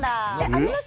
あります？